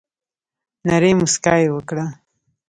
نرۍ مسکا یي وکړه